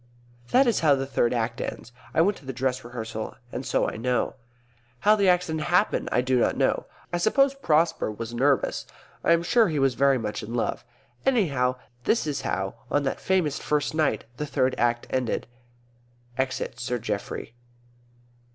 _ That is how the Third Act ends. I went to the dress rehearsal, and so I know. How the accident happened I do not know. I suppose Prosper was nervous. I am sure he was very much in love. Anyhow, this is how, on that famous first night, the Third Act ended: Exit Sir Geoffrey.